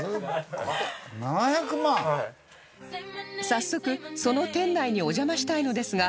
早速その店内にお邪魔したいのですが